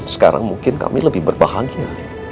sekarang mungkin kami lebih berbahagia